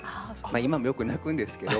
今もよく泣くんですけど。